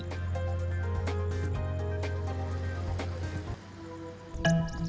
memasukkan masing licensing asean untuk kebebasan